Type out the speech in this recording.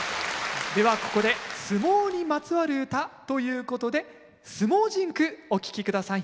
ではここで相撲にまつわる唄ということで「相撲甚句」お聴き下さい。